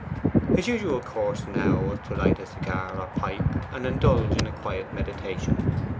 His usual course was now to light a cigar or pipe, and indulge in a quiet meditation.